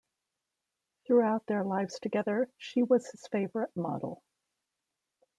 Throughout their lives together, she was his favourite model.